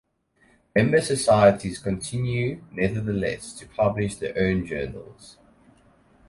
Member societies continue nevertheless to publish their own journals.